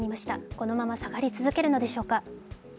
このまま下がり続けるのでしょうか。